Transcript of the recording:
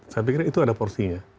saya pikir itu ada porsinya